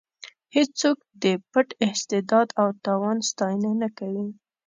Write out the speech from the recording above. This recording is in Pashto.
هېڅوک د پټ استعداد او توان ستاینه نه کوي.